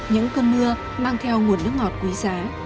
những cơn mưa mang theo nguồn nước ngọt quý giá